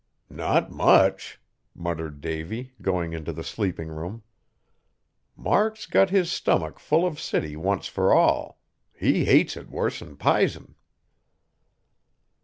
"Not much!" muttered Davy, going into the sleeping room; "Mark's got his stomick full of city once fur all. He hates it worse'n pisen."